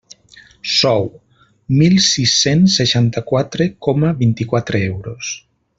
Sou: mil sis-cents seixanta-quatre coma vint-i-quatre euros.